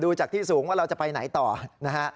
ดูจากที่สูงว่าเราจะไปไหนต่อนะฮะ